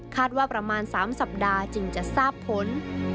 ประมาณ๓สัปดาห์จึงจะทราบผล